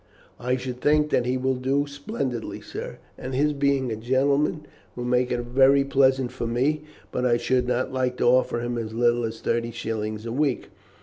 "I should think that he will do splendidly, sir, and his being a gentleman will make it very pleasant for me. But I should not like to offer him as little as thirty shillings a week."